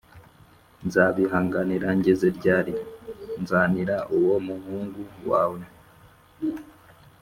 Nzabihanganira ngeze ryari Nzanira uwo muhungu wawe